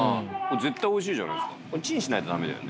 絶対おいしいじゃないですか。